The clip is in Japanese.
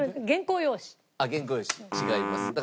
原稿用紙。違います。